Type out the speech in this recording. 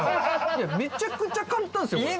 いやめちゃくちゃ簡単ですよこれ。